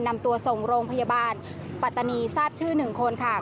นำตัวส่งโรงพยาบาลปัตตานีทราบชื่อ๑คนค่ะ